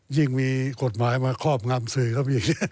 ยิ่งมีกฎหมายมาครอบงำสื่อก็มี